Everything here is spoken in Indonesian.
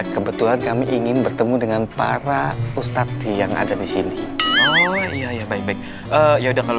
kebetulan kami ingin bertemu dengan para ustadz yang ada di sini oh iya baik baik ya udah kalau